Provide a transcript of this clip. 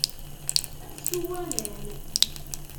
Sew aman.